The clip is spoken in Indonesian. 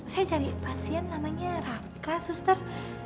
saya cari pasien namanya raka suster